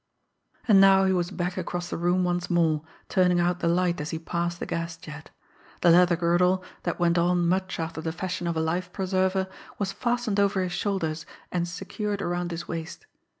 And now he was back across the room once more, turning out the light as he passed the gas jet. The leather girdle, that went on much after the fashion of a life preserver, was fastened over his shoulders and secured around his waist.